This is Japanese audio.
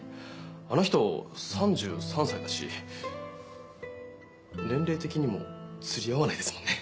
あの人３３歳だし年齢的にもつりあわないですもんね。